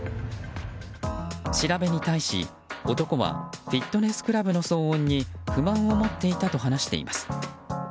調べに対し、男はフィットネスクラブの騒音に不満を持っていたと話しています。